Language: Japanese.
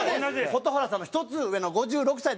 蛍原さんの１つ上の５６歳でございまして。